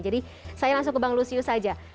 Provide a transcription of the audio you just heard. jadi saya langsung ke bang lusius saja